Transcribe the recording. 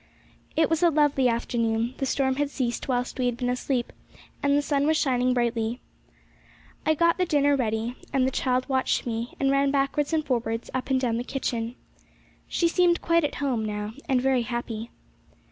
It was a lovely afternoon; the storm had ceased whilst we had been asleep, and the sun was shining brightly. I got the dinner ready, and the child watched me, and ran backwards and forwards, up and down the kitchen. She seemed quite at home now and very happy.